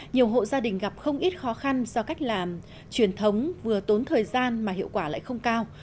nhiều hộ gia đình gặp không ít khó khăn do cách làm truyền thống vừa tốn thời gian mà hiệu quả lại không cao